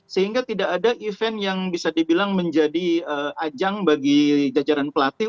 sehingga tidak ada event yang bisa dibilang menjadi ajang bagi jajaran pelatih